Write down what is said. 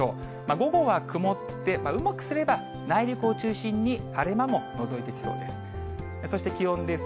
午後は曇って、うまくすれば、内陸を中心に晴れ間ものぞいてきそうです。